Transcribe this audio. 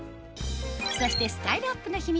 そしてスタイルアップの秘密